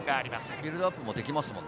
ビルドアップもできますもんね。